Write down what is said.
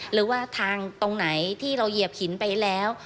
หรือว่าทางตรงไหนที่เราเหยียบหินไปแล้ว